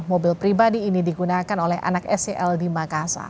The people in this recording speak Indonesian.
mobil pribadi ini digunakan oleh anak sel di makassar